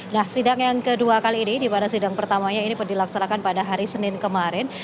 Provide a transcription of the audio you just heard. nah sidang yang kedua kali ini di mana sidang pertamanya ini dilaksanakan pada hari senin kemarin